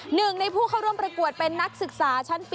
หนึ่งในผู้เข้าร่วมประกวดเป็นนักศึกษาชั้น๔